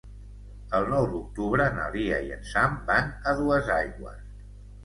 El nou d'octubre na Lia i en Sam van a Duesaigües.